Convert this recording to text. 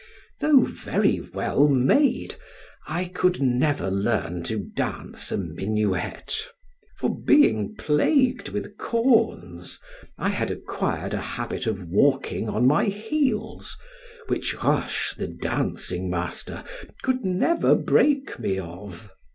Though very well made, I could never learn to dance a minuet; for being plagued with corns, I had acquired a habit of walking on my heels, which Roche, the dancing master, could never break me of.